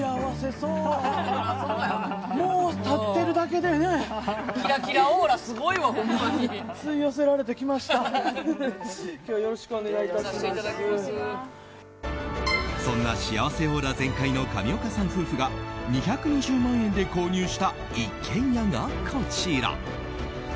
そんな幸せオーラ全開の上岡さん夫婦が２２０万円で購入した一軒家がこちら。